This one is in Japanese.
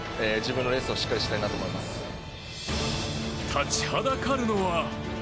立ちはだかるのは。